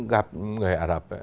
gặp người ả rập ấy